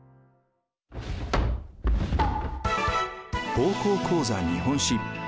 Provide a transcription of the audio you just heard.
「高校講座日本史」。